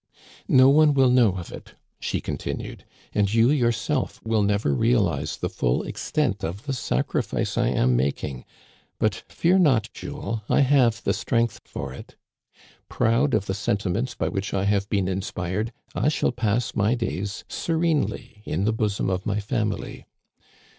" No one will know of it," she continued, " and you yourself will never realize the full extent of the sacrifice I am making, but fear not, Jules, I have the strength for it. Proud of the sentiments by which I have been inspired, I shall pass my days serenely in the bosom of my family.